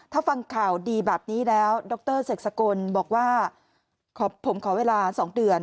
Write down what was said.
ถ้าฟังข่าวดีแบบนี้แล้วดรเสกสกลบอกว่าผมขอเวลา๒เดือน